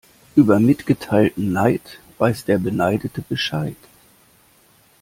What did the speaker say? Über mitgeteilten Neid weiß der Beneidete Bescheid.